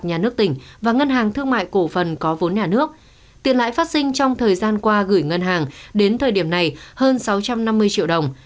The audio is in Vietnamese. nhà nước tỉnh và ngân hàng thương mại cổ phần có vốn nhà nước tiền lãi phát sinh trong thời gian qua gửi ngân hàng đến thời điểm này hơn sáu trăm năm mươi triệu đồng